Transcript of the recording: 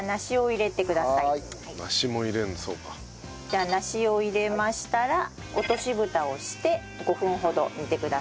じゃあ梨を入れましたら落とし蓋をして５分ほど煮てください。